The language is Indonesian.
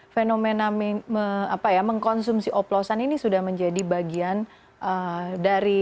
fenomena mengkonsumsi oplosan ini sudah menjadi bagian dari